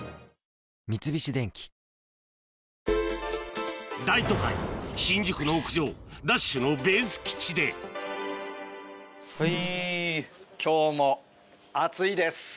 三菱電機大都会新宿の屋上『ＤＡＳＨ‼』のベース基地ではい。